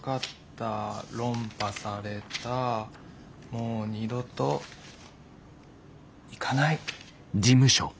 「もう二度と行かない」。